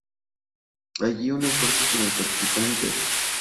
Allí unen fuerzas con el Capitán Jack.